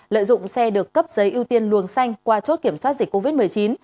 lợi dụng xe được cấp giấy ưu tiên luồng xanh qua chốt kiểm soát dịch covid một mươi chín